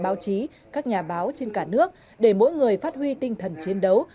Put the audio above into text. báo chí các nhà báo trên cả nước để mỗi người phát huy tinh thần chiến đấu